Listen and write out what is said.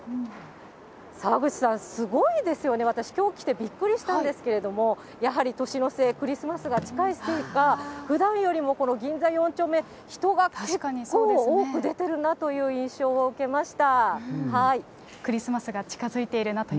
澤口さん、すごいですよね、私、きょう来てびっくりしたんですけども、やはり年の瀬、クリスマスが近いせいか、ふだんよりも銀座四丁目、人が結構多く出てるなという印象を受けました。